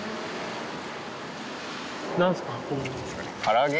何すか？